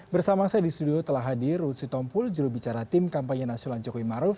bersama saya di studio telah hadir rutsi tompul jurubicara tim kampanye nasional jokowi ma'ruf